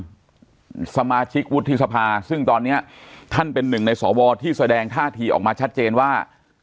สมาชิกวุฒิสภาซึ่งตอนนี้ท่านเป็นหนึ่งในสวที่แสดงท่าทีออกมาชัดเจนว่า